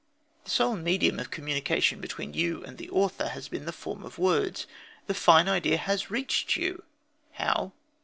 The sole medium of communication between you and the author has been the form of words. The fine idea has reached you. How?